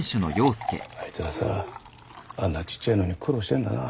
あいつらさあんなちっちゃいのに苦労してんだな。